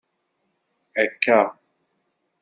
Akka!